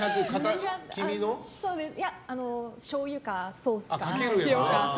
しょうゆか、ソースか、塩か。